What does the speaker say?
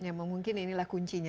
ya mungkin inilah kuncinya